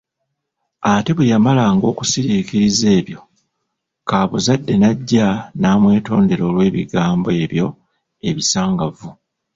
Ate bwe yamalanga okusiriikiriza ebyo, kaabuzadde najja n’amwetondera olw’ebigambo ebyo ebisangovu.